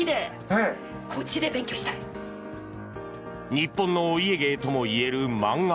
日本のお家芸ともいえる漫画。